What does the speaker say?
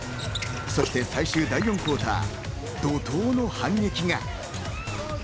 そして最終第４クオーター、怒涛の反撃が。